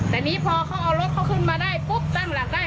แต่นี่พอเขาเอารถเขาขึ้นมาได้ปุ๊บตั้งหลักได้